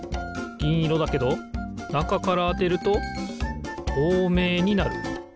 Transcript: ぎんいろだけどなかからあてるととうめいになる。